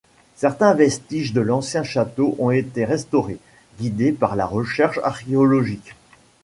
Certains vestiges de l'ancien château ont été restaurés, guidés par la recherche archéologique.